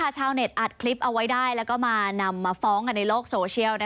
ชาวเน็ตอัดคลิปเอาไว้ได้แล้วก็มานำมาฟ้องกันในโลกโซเชียล